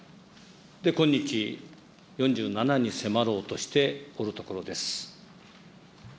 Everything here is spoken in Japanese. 今日、４７に迫ろうとしておるところです。